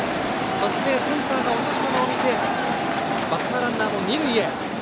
そして、センターが落としたのを見てバッターランナーも二塁へ。